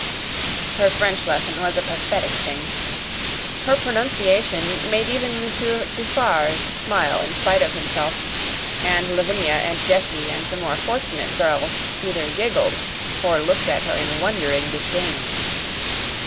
Her French lesson was a pathetic thing. Her pronunciation made even Monsieur Dufarge smile in spite of himself, and Lavinia and Jessie and the more fortunate girls either giggled or looked at her in wondering disdain.